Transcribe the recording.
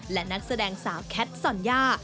และนักแสดงสาวแคทส่อนย่า